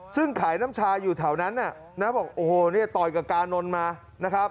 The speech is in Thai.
ซึ่งขายน้ำชาอยู่แถวนั้นน่ะนะบอกโอ้โหเนี่ยต่อยกับกานนท์มานะครับ